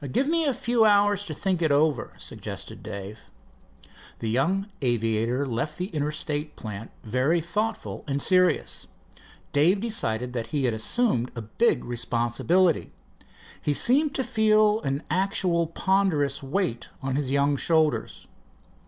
"Give me a few hours to think it over," suggested Dave. The young aviator left the Interstate plant very thoughtful and serious. Dave decided that he had assumed a big responsibility. He seemed to feel an actual ponderous weight on his young shoulders.